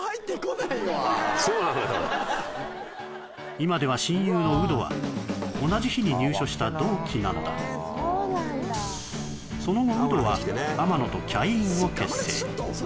今では親友のウドは同じ日に入所した同期なのだその後ウドは天野とキャインを結成